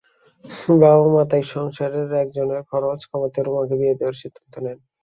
বাবা-মা তাই সংসারের একজনের খরচ কমাতে রুমাকে বিয়ে দেওয়ার সিদ্ধান্ত নেন।